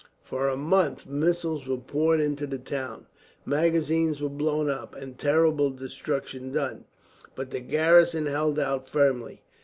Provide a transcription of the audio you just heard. For a month missiles were poured into the town. Magazines were blown up, and terrible destruction done, but the garrison held out firmly.